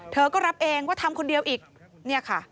เธอก็รับเองว่าทำคนเดียวอีก